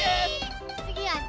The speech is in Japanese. つぎは２！